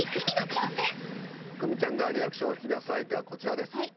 久美ちゃんがリアクションを引き出す相手はこちらです。